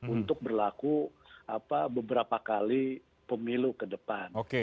untuk berlaku beberapa kali pemilu ke depan